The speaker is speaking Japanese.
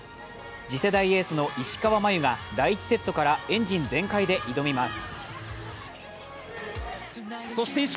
次世代エースの石川真佑が第１セットからエンジン全開で挑みます。